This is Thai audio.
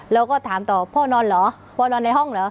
เราก็ถามต่อพ่อนอนเหรอพ่อนอนในห้องเหรอ